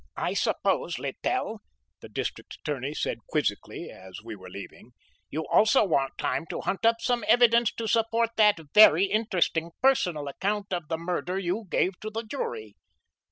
"I suppose, Littell," the District Attorney said quizzically, as we were leaving, "you also want time to hunt up some evidence to support that very interesting personal account of the murder you gave to the jury!"